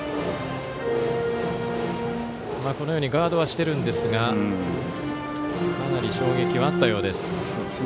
ガードはしているんですがかなり衝撃はあったようです。